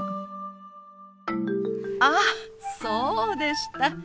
あそうでした。